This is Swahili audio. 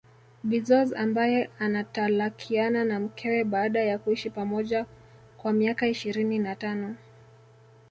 Bezoz ambaye anatalakiana na mkewe baada ya kuishi pamoja kwa miaka ishirini na tano